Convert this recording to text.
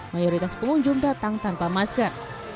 mayoritas pengunjung datang tanpa masker